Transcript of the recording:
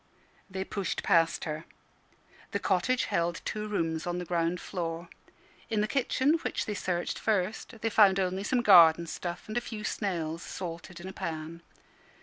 They pushed past her. The cottage held two rooms on the ground floor. In the kitchen, which they searched first, they found only some garden stuff and a few snails salted in a pan.